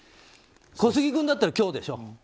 小杉君だったら今日でしょう？